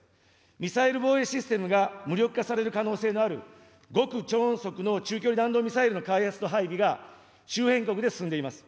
ミサイル防衛システムが無力化される可能性のある、極超音速の中距離弾道ミサイルの開発と配備が、周辺国で進んでいます。